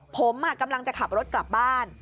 ผมกำลังจะขับรถกลับบ้าน